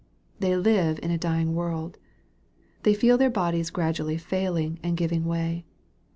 They live in a dying world. They feel their bodies gradually fail ing and giving way.